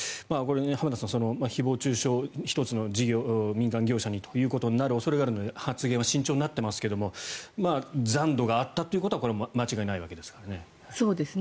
浜田さん誹謗・中傷１つの民間業者にという恐れがあるので発言は慎重になっていますが残土があったということは間違いないわけですからね。